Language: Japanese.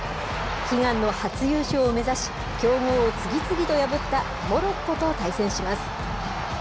悲願の初優勝を目指し、強豪を次々と破ったモロッコと対戦します。